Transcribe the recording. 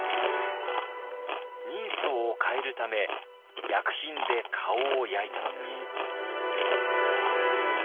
人相を変えるため薬品で顔を焼いたのです。